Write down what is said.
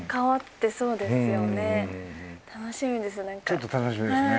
ちょっと楽しみですね。